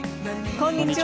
こんにちは。